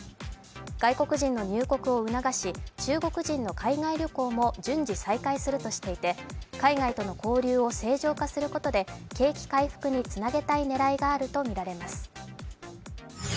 外国人の入国を促し、中国人の海外旅行も順次、再開するとしていて海外との交流を正常化することで景気回復につなげたい狙いがあるとみられます。